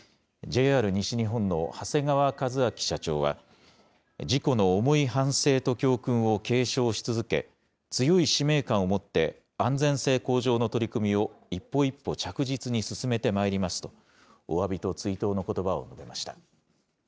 ＪＲ西日本の長谷川一明社長は、事故の重い反省と教訓を継承し続け、強い使命感を持って、安全性向上の取り組みを一歩一歩着実に進めてまいりますと、おわびと追悼のことばを述べました。